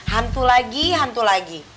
hantu lagi hantu lagi